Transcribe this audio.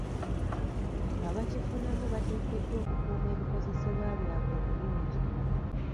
Abakifunamu bateekeddwa okukuuma ebikozesebwa byabwe obulungi